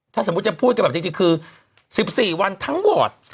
ถ้าสมมุติจะพูดกันแบบจริงคือ๑๔วันทั้งวอร์ด